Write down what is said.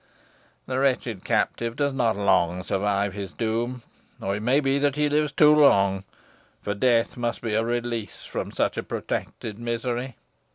The wretched captive does not long survive his doom, or it may be he lives too long, for death must be a release from such protracted misery.